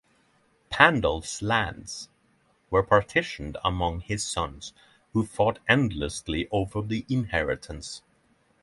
Pandulf's lands were partitioned among his sons, who fought endlessly over the inheritance.